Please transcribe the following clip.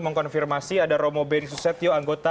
mengkonfirmasi ada romo beni susetio anggota